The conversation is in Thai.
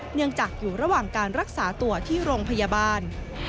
เนื่องจากอยู่ระหว่างการรักษาตัวที่โรงพยาบาล